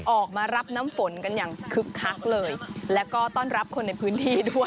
ออกมารับน้ำฝนกันอย่างคึกคักเลยแล้วก็ต้อนรับคนในพื้นที่ด้วย